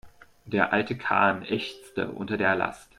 Der alte Kahn ächzte unter der Last.